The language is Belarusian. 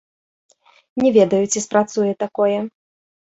Не ведаю, ці спрацуе такое.